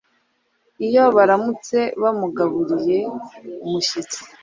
Iyo baramutse bamugaburiye, umushyitsi